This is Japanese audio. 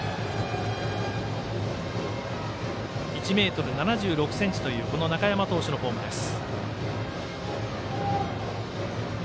１ｍ７６ｃｍという中山投手のフォームです。